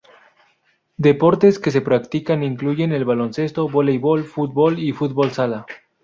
Deportes que se practican incluyen el baloncesto, voleibol, fútbol y fútbol sala.